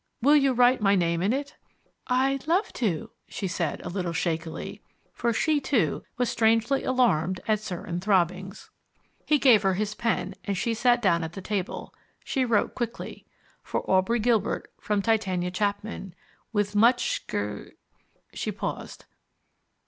"Will you write my name in it?" "I'd love to," she said, a little shakily, for she, too, was strangely alarmed at certain throbbings. He gave her his pen, and she sat down at the table. She wrote quickly For Aubrey Gilbert From Titania Chapman With much gr She paused.